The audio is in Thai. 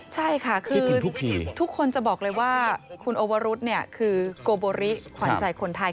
ใช่ค่ะคือทุกคนจะบอกเลยว่าคุณโอวรุษคือโกโบริขวัญใจคนไทย